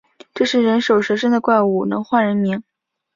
这是人首蛇身的怪物，能唤人名